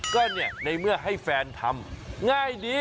ก็เนี่ยในเมื่อให้แฟนทำง่ายดี